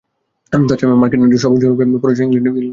তা ছাড়া মার্কিন নারীর স্বভাবসুলভ পরচর্চা ইংলণ্ডে অজ্ঞাত।